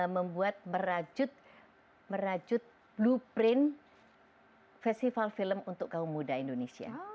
membuat merajut blueprint festival film untuk kaum muda indonesia